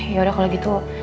yaudah kalau gitu